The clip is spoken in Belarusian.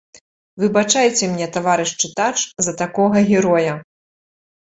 Выбачайце мне, таварыш чытач, за такога героя.